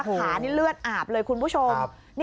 ขานี่เลือดอาบเลยคุณผู้ชม